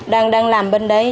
đang làm bên đấy